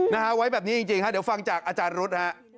นะคะไว้แบบนี้จริงฮะเดี๋ยววิดิโอน่าอาจารย์รุษ